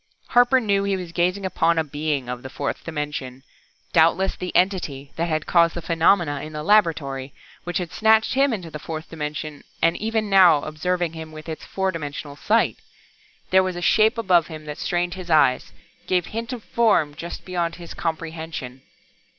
Harper knew he was gazing upon a being of the fourth dimension doubtless the Entity that had caused the phenomena in the laboratory, which had snatched him into the fourth dimension, and was even now observing him with its four dimensional sight! There was a shape above him that strained his eyes, gave hint of Form just beyond his comprehension.